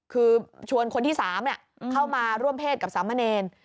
คือชวนคนที่สามเนี่ยเข้ามาร่วมเพศกับสามเมนเนย